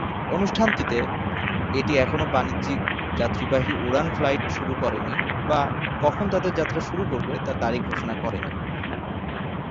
অনুষ্ঠানটিতে, এটি এখনও বাণিজ্যিক যাত্রীবাহী উড়ান ফ্লাইট শুরু করেনি, বা কখন তাদের যাত্রা শুরু করবে তার তারিখ ঘোষণা করেনি।